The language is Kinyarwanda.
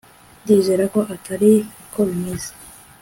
ndizera ko atari ko bimeze